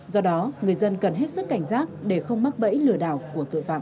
do đó người dân cần hết sức cảnh giác để không mắc bẫy lừa đảo của tội phạm